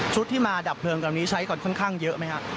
ที่มาดับเพลิงตอนนี้ใช้ก่อนค่อนข้างเยอะไหมครับ